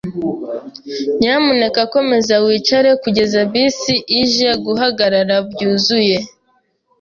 Nyamuneka komeza wicare kugeza bisi ije guhagarara byuzuye.